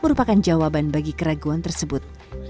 merupakan jawaban bagi keraguan tersebut